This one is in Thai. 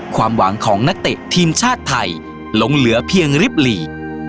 ความหวังของนักเตะทีมชาติไทยลงเหลือเพียงลิปลีก